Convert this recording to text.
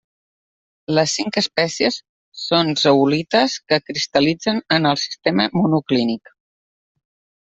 Les cinc espècies són zeolites que cristal·litzen en el sistema monoclínic.